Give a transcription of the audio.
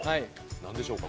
なんでしょうか？